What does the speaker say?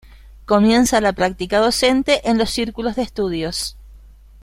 Comienza la práctica docente en los círculos de estudios.